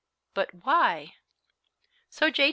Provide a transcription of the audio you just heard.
But why? So J.